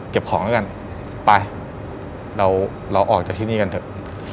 ของแล้วกันไปเราออกจากที่นี่กันเถอะ